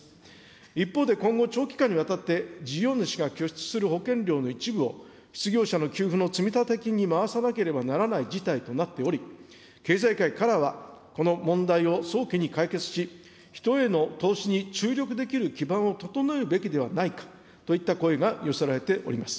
一方で今後、長期間にわたって事業主が拠出する保険料の一部を、失業者の給付の積立金に回さなければならない事態となっており、経済界からは、この問題を早期に解決し、人への投資に注力できる基盤を整えるべきではないかといった声が寄せられております。